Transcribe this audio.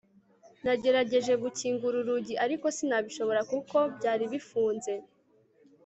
Nagerageje gukingura urugi ariko sinabishobora kuko byari bifunze